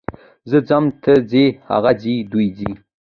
زه ځم، ته ځې، هغه ځي، دوی ځي.